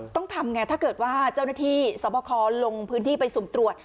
ต้องทำไงถ้าเกิดว่าเจ้าหน้าที่สวบคลงพื้นที่ไปสุ่มตรวจ